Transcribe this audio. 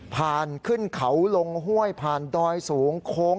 ขึ้นเขาลงห้วยผ่านดอยสูงโค้ง